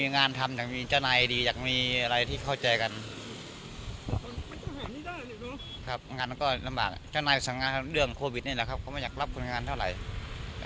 งานก็น่าบาดเจ้นายสั่งงานเรื่องโควิดก็ไม่อยากรับคนพื้นการเท่าไหร่